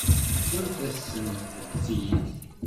Tefkamt-asent-t-id.